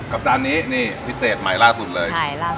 กับสารนี้พิเศษใหม่ล่าสุดเลย